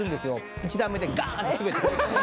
１段目でガーンと滑って。